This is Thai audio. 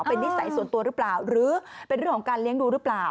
เป็นนิสัยส่วนตัวหรือเปล่าหรือเป็นเรื่องของการเลี้ยงดูหรือเปล่า